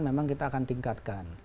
memang kita akan tingkatkan